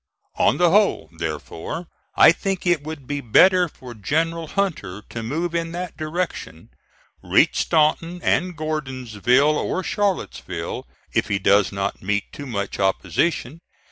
On the whole, therefore, I think it would be better for General Hunter to move in that direction; reach Staunton and Gordonsville or Charlottesville, if he does not meet too much opposition.